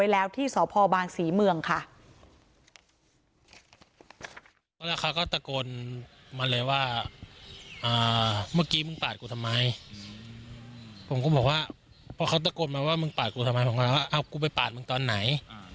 แล้วเขาก็ตะโกนมาเลยว่าเมื่อกี้มึงปาดกูทำไมผมก็บอกว่าพอเขาตะโกนมาว่ามึงปาดกูทำไมผมก็บอกว่าเอากูไปปาดมึงตอนไหน